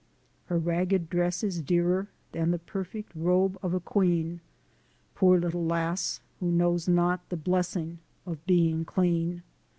Her ragged dress is dearer Than the perfect robe of a queen! Poor little lass, who knows not The blessing of being clean.